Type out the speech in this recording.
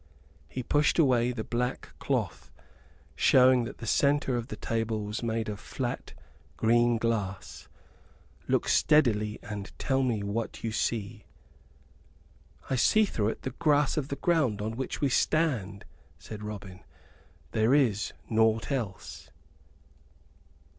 He pushed away the black cloth, showing that the center of the table was made of flat green glass. "Look steadily, and tell me what you see." "I see through it the grass of the ground on which we stand," said Robin. "There is naught else."